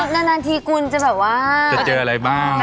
นานทีคุณจะแบบว่าจะเจออะไรบ้าง